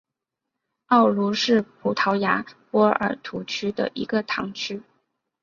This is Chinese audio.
奥卢是葡萄牙波尔图区的一个堂区。